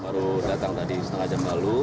baru datang tadi setengah jam lalu